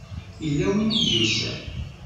Yella win i d-yusan.